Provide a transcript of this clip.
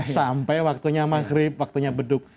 sampai waktunya maghrib waktunya beduk